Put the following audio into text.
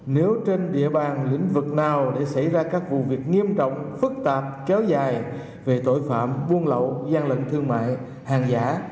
nếu trên địa bàn lĩnh vực nào để xảy ra các vụ việc nghiêm trọng phức tạp kéo dài về tội phạm buôn lậu gian lận thương mại hàng giả